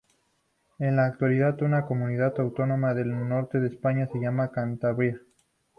En la actualidad, una Comunidad Autónoma del norte de España se llama Cantabria.